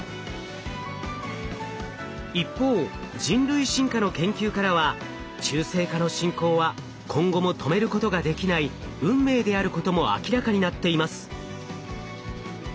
一方人類進化の研究からは中性化の進行は今後も止めることができない運命であることも明らかになっています。